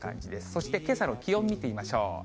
そしてけさの気温見てみましょう。